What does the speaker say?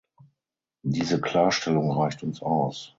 Diese Klarstellung reicht uns aus!